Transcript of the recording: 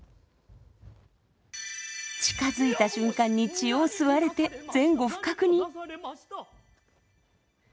近づいた瞬間に血を吸われて前後不覚に。